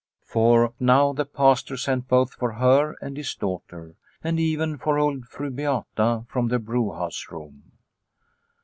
For now the Pastor sent both for her and his daughter, and even for old Fru Beat a from the brewhouse room.